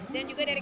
dan juga dari